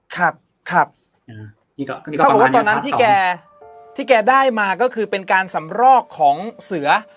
ครับครับเขาบอกว่าตอนนั้นที่แกที่แกได้มาก็คือเป็นการสำรอกของเสือ